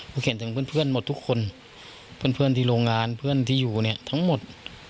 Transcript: เขาเขียนถึงเพื่อนหมดทุกคนเพื่อนที่โรงงานเพื่อนที่อยู่เนี่ยทั้งหมด